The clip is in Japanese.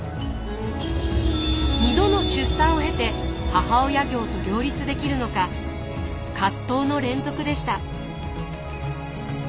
２度の出産を経て母親業と両立できるのか葛藤の連続でした。